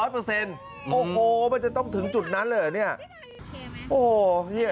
มันจะต้องถึงจุดนั้นเลยเหรอเนี่ย